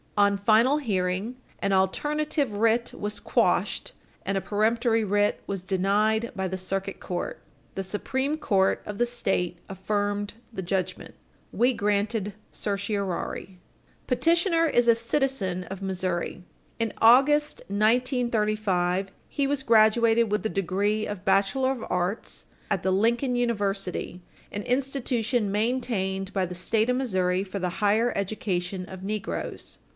On final hearing, an alternative writ was quashed and a peremptory writ was denied by the Circuit Court. The Supreme Court of the State affirmed the judgment. 113 S.W.2d 783. We granted certiorari, October 10, 1938. Petitioner is a citizen of Missouri. In August, 1935, he was graduated with the degree of Bachelor of Arts at the Lincoln University, an institution maintained by the State of Missouri for the higher education of negroes.